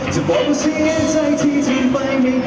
จะบอกว่าเสียใจที่เธอไฟไม่เคย